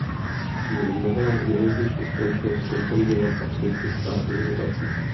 Tím mohla železniční společnost kompenzovat absenci státních dotací.